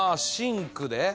「シンクで」